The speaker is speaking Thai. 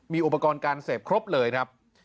มีอุปกรณ์การเสพครบเลยครับ